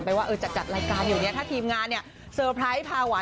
ไปฟังพี่หญิงกันหน่อยค่ะ